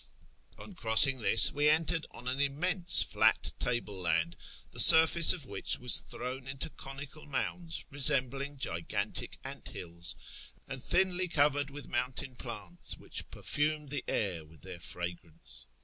On crossing this, we entered on an immense flat table land, the surface of which was thrown into conical mounds resembling gigantic ant hills, and thinly covered with mountain plants, which perfumed the air with their fragrance.